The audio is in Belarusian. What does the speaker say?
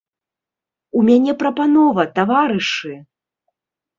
У мяне, прапанова, таварышы!